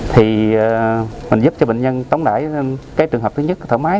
thì mình giúp cho bệnh nhân tống đải cái trường hợp thứ nhất là thở máy